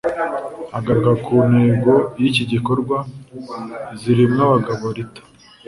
Agaruka ku ntego y’iki gikorwa Zirimwabagabo Rita